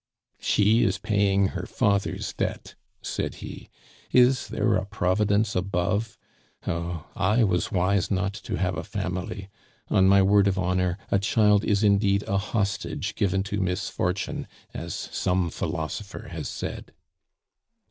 "She is paying her father's debt," said he. "Is there a Providence above? Oh, I was wise not to have a family. On my word of honor, a child is indeed a hostage given to misfortune, as some philosopher has said."